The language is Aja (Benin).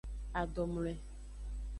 Adomloe.